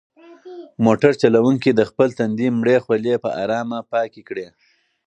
موټر چلونکي د خپل تندي مړې خولې په ارامه پاکې کړې.